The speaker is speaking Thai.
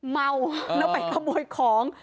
เมาแล้วไปขโมยของ